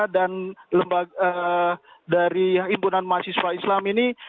dan dari imbunan mahasiswa islam ini